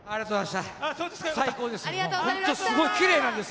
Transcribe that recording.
最高です！